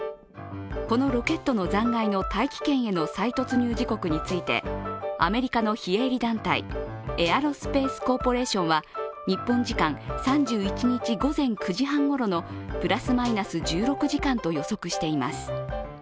このロケットの残骸の大気圏への再突入時刻についてアメリカの非営利団体、エアロスペース・コーポレーションは日本時間３１日午前９時半ごろのプラスマイナス１６時間と予測しています。